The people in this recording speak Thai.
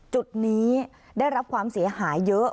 จุดนี้ได้รับความเสียหายเยอะ